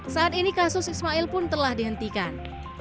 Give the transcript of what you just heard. saat ini kasus ismail pun telah dihentikan